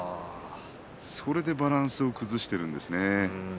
それでバランスを崩しています。